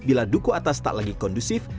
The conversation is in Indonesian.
bila duku atas tak lagi kondusif